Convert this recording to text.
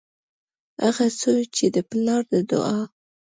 هغه زوی چې د پلار د دعا